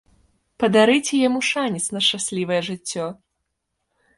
Падарыце яму шанец на шчаслівае жыццё!